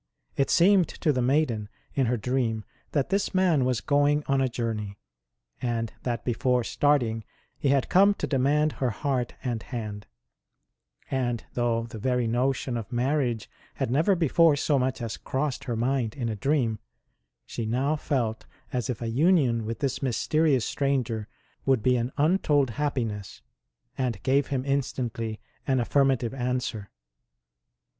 It seemed to the maiden in her dream that this man was going on a journey, and that DIVINE VISITANTS TO HER CELL 159 before starting he had come to demand her heart and hand; and though the very notion of mar riage had never before so much as crossed her mind in a dream, she now felt as if a union with this mysterious stranger would be an untold happi ness, and gave him instantly an affirmative answer.